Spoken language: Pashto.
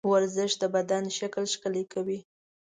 ورزش د بدن شکل ښکلی کوي.